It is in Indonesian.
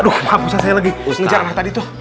aduh maaf ustadz saya lagi ngejar anak tadi tuh